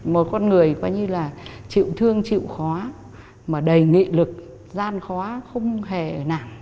một con người quá như là chịu thương chịu khó mà đầy nghệ lực gian khó không hề nào